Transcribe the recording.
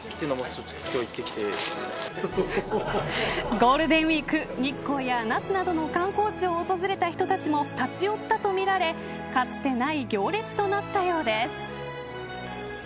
ゴールデンウイーク日光や那須などの観光地を訪れた人たちも立ち寄ったとみられかつてない行列となったようです。